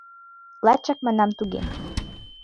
— Лачак, манам, туге.